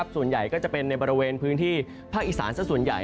ส่วนใหญ่ก็จะเป็นในบริเวณพื้นที่ภาคอีสานสักส่วนใหญ่